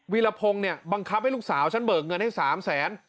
ีรพงศ์เนี่ยบังคับให้ลูกสาวฉันเบิกเงินให้๓แสน